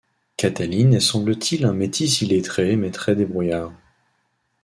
Cataline est semble-t-il un métis illettré mais très débrouillard.